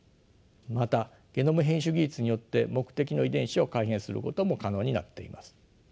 またゲノム編集技術によって目的の遺伝子を改変することも可能になっています。